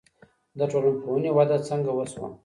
د ټولنپوهنې وده څنګه وسوه؟